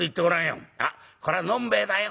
『あっこら飲んべえだよ。